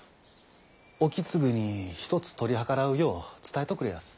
意次にひとつ取り計らうよう伝えとくれやす。